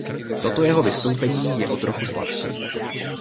Toto jeho vystoupení je o trochu slabší.